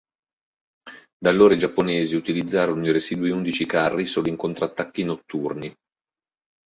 Da allora i giapponesi utilizzarono i residui undici carri solo in contrattacchi notturni.